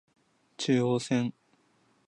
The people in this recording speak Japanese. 中央線